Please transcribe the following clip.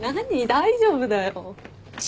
大丈夫だよ。